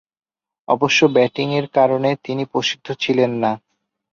অবশ্য, ব্যাটিংয়ের কারণে তিনি প্রসিদ্ধ ছিলেন না।